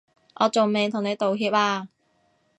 我仲未同你道歉啊